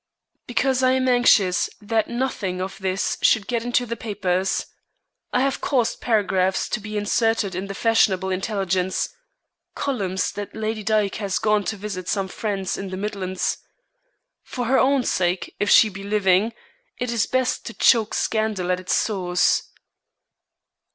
"Because I am anxious that nothing of this should get into the papers. I have caused paragraphs to be inserted in the fashionable intelligence columns that Lady Dyke has gone to visit some friends in the Midlands. For her own sake, if she be living, it is best to choke scandal at its source."